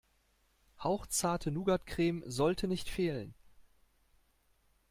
Hauchzarte Nougatcreme sollte nicht fehlen.